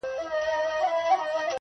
یوې لسیزي مخکینۍ څلوریځي